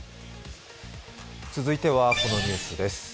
続いてはこのニュースです。